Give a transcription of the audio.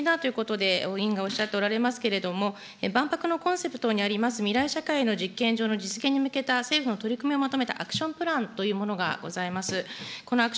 間接的なということで、委員がおっしゃっておられますけれども、万博のコンセプトにあります、未来社会の実験場の実現に向けた政府の取り組みをまとめた、アクションプランというものがございます。